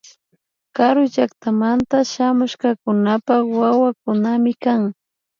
Karu llaktamanta shamushkakunapak wawakunami kan